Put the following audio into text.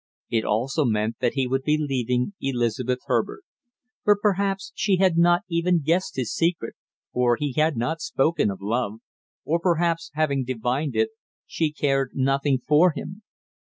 It also meant that he would be leaving Elizabeth Herbert; but perhaps she had not even guessed his secret, for he had not spoken of love; or perhaps having divined it, she cared nothing for him.